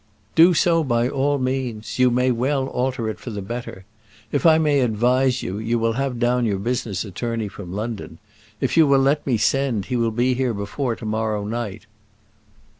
"Do so by all means; you may well alter it for the better. If I may advise you, you will have down your own business attorney from London. If you will let me send he will be here before to morrow night."